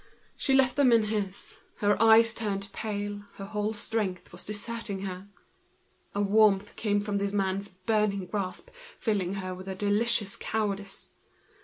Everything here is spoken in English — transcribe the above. She left them in his, her eyes turned pale, her whole strength was deserting her. A warmth came from this man's burning hands, filling her with a delicious cowardice.